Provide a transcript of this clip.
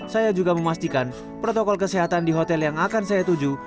saya juga memastikan protokol kesehatan di hotel yang akan saya tuju